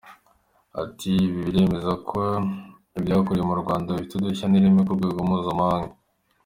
Ati “Ibi biremeza ko ibyakorewe mu Rwanda bifite udushya n’ireme ku rwego mpuzamahanga.